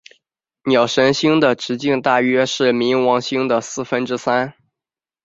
鸟神星的直径大约是冥王星的四分之三。